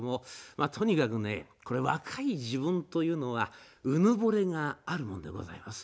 とにかく若い自分というのはうぬぼれがあるものでございます。